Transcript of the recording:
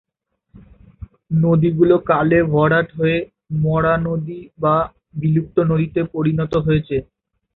নদীগুলো কালে ভরাট হয়ে মরা নদী বা বিলুপ্ত নদীতে পরিণত হয়েছে।